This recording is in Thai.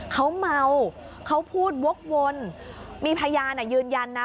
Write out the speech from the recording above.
เขาเมาเขาพูดวกวนมีพยานยืนยันนะ